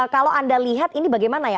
kalau anda lihat ini bagaimana ya